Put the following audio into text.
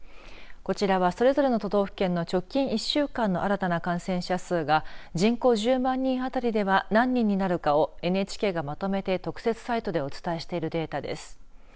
こちらは、それぞれの都道府県の直近１週間の新たな感染者数が人口１０万人あたりでは何人なるかをＮＨＫがまとめて特設サイトでお伝えしているデータです。